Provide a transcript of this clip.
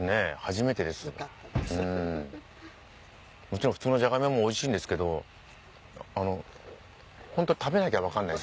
もちろん普通のジャガイモもおいしいんですけどホント食べなきゃ分かんない。